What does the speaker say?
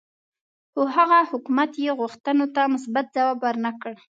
خو هغه حکومت یې غوښتنو ته مثبت ځواب ورنه کړ.